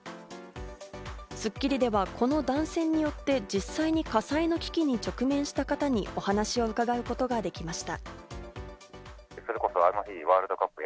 『スッキリ』ではこの断線によって実際に火災の危機に直面した方にお話を伺うことができました。